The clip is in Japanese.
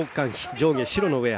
上下白のウェア。